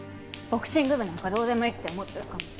ボクシング部なんかどうでもいいって思ってる感じ。